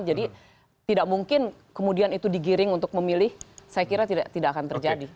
jadi tidak mungkin kemudian itu digiring untuk memilih saya kira tidak akan terjadi